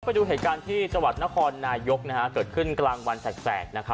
ไปดูเหตุการณ์ที่จังหวัดนครนายกเกิดขึ้นกลางวันแสก